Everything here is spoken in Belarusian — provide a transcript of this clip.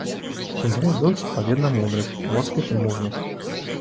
Сімвалізуюць адпаведна мудрасць, росквіт і мужнасць.